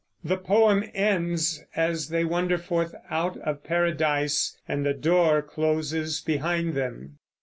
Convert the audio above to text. The poem ends as they wander forth out of Paradise and the door closes behind them.